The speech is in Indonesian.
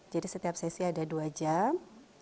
jadi setiap sesi ada dua jam